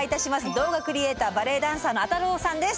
動画クリエーターバレエダンサーのあたろーさんです。